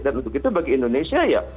dan untuk itu bagi indonesia ya